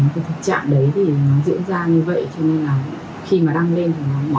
cái tình trạng đấy thì nó diễn ra như vậy cho nên là khi mà đăng lên thì mọi người cũng nên cẩn thận